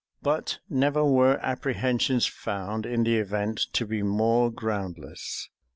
But never were apprehensions found in the event to be more groundless.